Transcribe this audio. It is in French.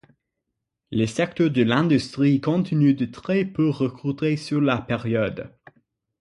Le secteur de l'industrie continue de très peu recruter sur la période.